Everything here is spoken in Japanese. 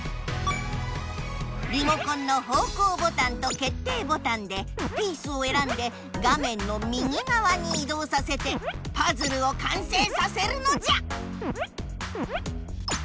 リモコンの方向ボタンと決定ボタンでピースをえらんで画面の右がわにいどうさせてパズルを完成させるのじゃ！